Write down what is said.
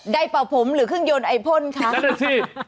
ได้เป่าผมหรือเครื่องยนต์ไอพ่นคะจัดการที่